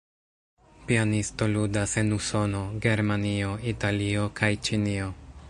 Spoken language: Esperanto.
Pianisto ludas en Usono, Germanio, Italio, kaj Ĉinio.